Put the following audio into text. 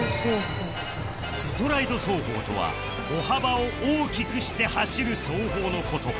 ストライド走法とは歩幅を大きくして走る走法の事